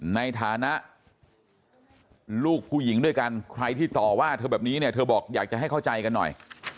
ในฐานะลูกผู้หญิงด้วยกันใครที่ต่อว่าเธอแบบนี้เนี่ยเธอบอกอยากจะให้เข้าใจกันหน่อย